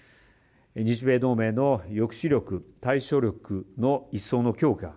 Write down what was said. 日米同盟の抑止力対処力の一層の強化